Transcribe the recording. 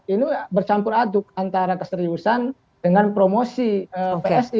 ini bercampur aduk antara keseriusan dengan promosi psi